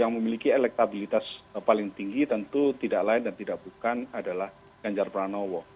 yang memiliki elektabilitas paling tinggi tentu tidak lain dan tidak bukan adalah ganjar pranowo